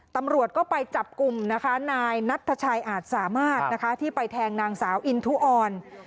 ตำรวจก็ไปจับกลุ่มนะคะนายนัทชัยอาจสามารถนะคะที่ไปแทงนางสาวอินทุออน